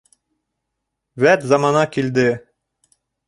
Вәт замана килде!